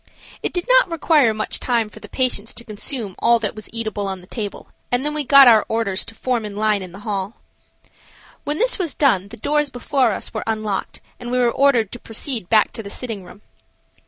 It did not require much time for the patients to consume all that was eatable on the table, and then we got our orders to form in line in the hall. When this was done the doors before us were unlocked and we were ordered to proceed back to the sitting room.